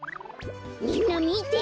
みんなみて。